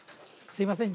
すいません